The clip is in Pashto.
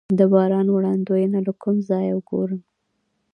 د باران وړاندوینه له کوم ځای وګورم؟